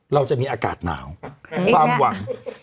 เราจะมีอากาศหนาวความหวัง